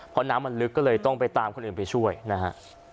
เพราะน้ำมันลึกก็เลยต้องไปตามคนอื่นไปช่วยนะฮะ